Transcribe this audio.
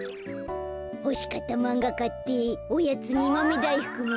ほしかったまんがかっておやつにまめだいふくもウフフ。